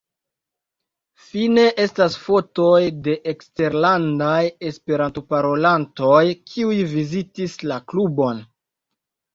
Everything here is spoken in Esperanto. Fine estas fotoj de eksterlandaj Esperanto-parolantoj kiuj vizitis la klubon.